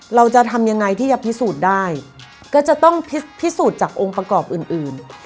เราจะทำยังไงที่จะพิสูจน์ได้ก็จะต้องพิสูจน์จากองค์ประกอบอื่น